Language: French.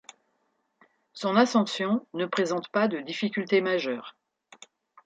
Son ascension ne présente pas de difficulté majeure.